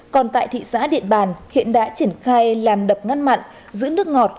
còn tại thị xã điện bàn hiện đã triển khai làm đập ngăn mặn giữ nước ngọt